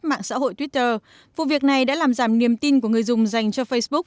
trong bài đăng của mạng xã hội twitter vụ việc này đã làm giảm niềm tin của người dùng dành cho facebook